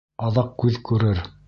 Аҙаҡ күҙ күрер.